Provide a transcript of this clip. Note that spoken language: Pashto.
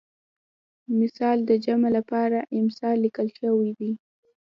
مثل د جمع لپاره امثال لیکل شوی دی